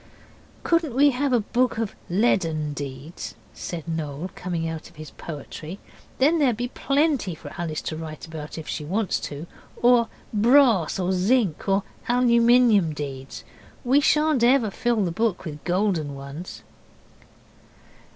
'Couldn't we have a book of leaden deeds?' said Noel, coming out of his poetry, 'then there'd be plenty for Alice to write about if she wants to, or brass or zinc or aluminium deeds? We shan't ever fill the book with golden ones.